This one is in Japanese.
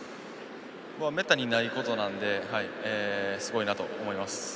めったにないことなんてすごいなと思います。